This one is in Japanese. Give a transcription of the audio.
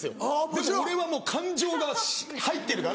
でも俺はもう感情が入ってるから。